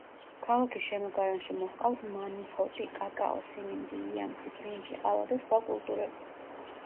ქალაქის შემოგარენში მოჰყავთ მანიჰოტი, კაკაო, სიმინდი, იამსი, ბრინჯი, ყავა და სხვა კულტურები.